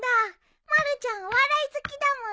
まるちゃんお笑い好きだもんね。